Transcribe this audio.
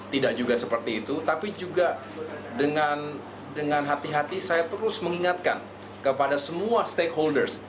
tidak juga seperti itu tapi juga dengan hati hati saya terus mengingatkan kepada semua stakeholders